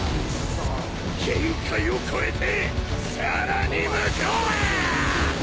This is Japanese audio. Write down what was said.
限界を超えてさらに向こうへ！